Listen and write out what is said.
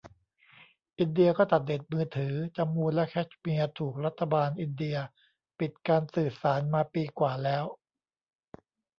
อินเดียก็ตัดเน็ตมือถือ จัมมูและแคชเมียร์ถูกรัฐบาลอินเดียปิดการสื่อสารมาปีกว่าแล้ว